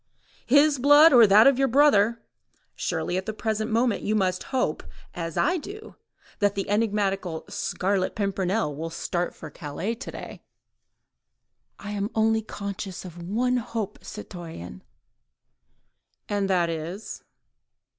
"His blood, or that of your brother. Surely at the present moment you must hope, as I do, that the enigmatical Scarlet Pimpernel will start for Calais to day—" "I am only conscious of one hope, citoyen." "And that is?"